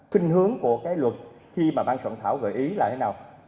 kinh hướng của cái luật khi mà ban soạn thảo gợi ý là thế nào